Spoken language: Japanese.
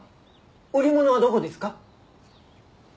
売り物はどこですか？